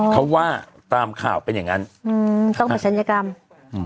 เขาว่าตามข่าวเป็นอย่างงั้นอืมต้องไปศัลยกรรมอืม